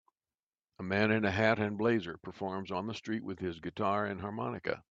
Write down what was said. A man in a hat and blazer performs on the street with his guitar and harmonica.